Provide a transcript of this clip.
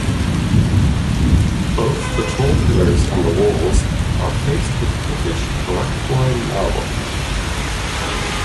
Both the tall pillars and walls are faced with pinkish Oraktuoy marble.